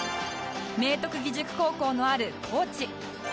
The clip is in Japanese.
明徳義塾高校のある高知